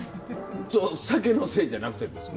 酒のせいじゃなくてですか？